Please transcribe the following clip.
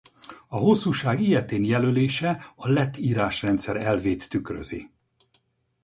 A hosszúság ilyetén jelölése a lett írásrendszer elvét tükrözi.